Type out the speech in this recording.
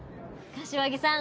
柏木さん